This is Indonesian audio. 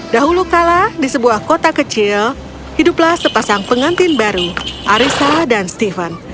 dahulu kala di sebuah kota kecil hiduplah sepasang pengantin baru arissa dan steven